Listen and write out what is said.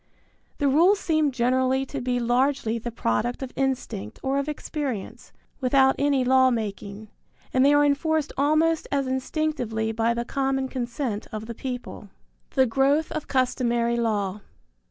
The rules seem generally to be largely the product of instinct or of experience, without any law making, and they are enforced almost as instinctively by the common consent of the people. II. THE GROWTH OF CUSTOMARY LAW.